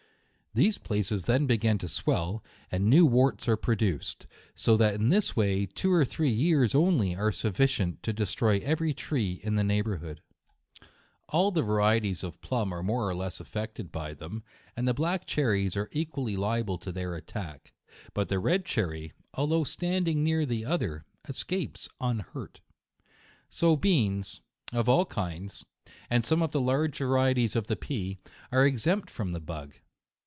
These places then begin to swell, and new warts are produced ; so that in this way, two or three years only are sufficient to destroy every tree in the neigh bourhood. All the varieties of the plum are more or less affected by them, and the black cherries are equally liable to their attack ; but the red cherry, although standing near the other, escapes unhurt. So beans, of all kinds, and june. 13a some of the large varieties of the pea, are ex empt from the bug.